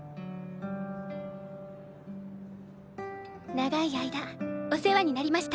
長い間お世話になりました。